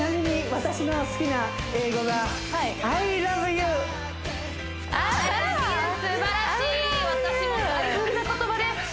私も大好きな言葉です